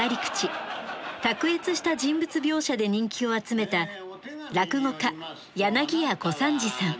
卓越した人物描写で人気を集めた落語家柳家小三治さん。